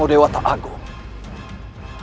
oh dewa tak agung